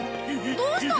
どうしたの？